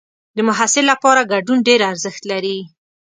د محصل لپاره ګډون ډېر ارزښت لري.